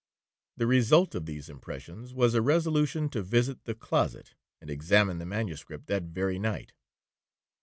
The result of these impressions was, a resolution to visit the closet, and examine the manuscript that very night.